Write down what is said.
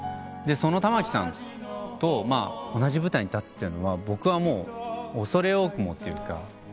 でその玉置さんと同じ舞台に立つというのは僕は恐れ多くもというか。